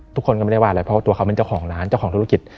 ทุกคนก็ไม่ได้ว่าอะไรเพราะว่าตัวเขาเป็นเจ้าของร้านเจ้าของธุรกิจ